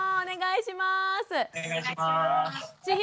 お願いします。